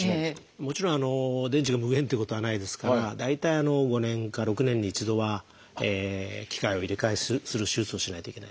もちろん電池が無限っていうことはないですから大体５年か６年に１度は機械を入れ替えする手術をしないといけない。